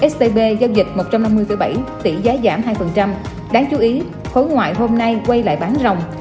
scb giao dịch một trăm năm mươi bảy tỷ giá giảm hai đáng chú ý khối ngoại hôm nay quay lại bán rồng